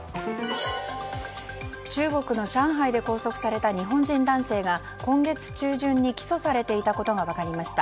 中国の上海で拘束された日本人男性が今月中旬に起訴されていたことが分かりました。